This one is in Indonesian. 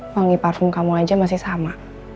wangi parfum kamu aja masih sama